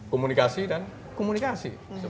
komunikasi dan komunikasi